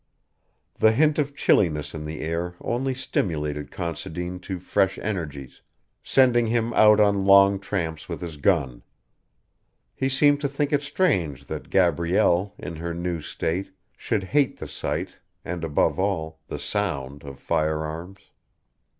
The hint of chilliness in the air only stimulated Considine to fresh energies, sending him out on long tramps with his gun. He seemed to think it strange that Gabrielle, in her new state, should hate the sight, and above all, the sound of firearms.